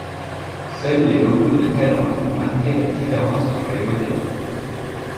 Seuls les logos de calandre marquaient la différence entre les modèles.